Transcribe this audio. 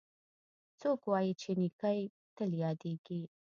څوک وایي چې نیکۍ تل یادیږي